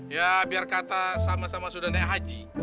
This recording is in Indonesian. ya biar kata sama sama sudah naik haji